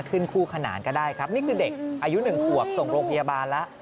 คู่ขนานก็ได้ครับนี่คือเด็กอายุ๑ขวบส่งโรงพยาบาลแล้ว